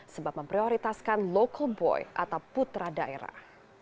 sebab memprioritaskan local boy atau putra daerah